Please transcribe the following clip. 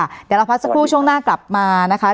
เดี๋ยวเราพักสักครู่ช่วงหน้ากลับมานะคะ